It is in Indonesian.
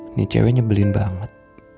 ini cewek nyebelin banget